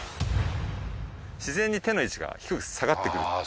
自然に手の位置が低く下がってくるっていう。